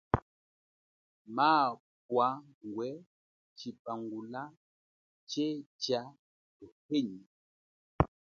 Maabwa ngwe chipangula che cha uhenya.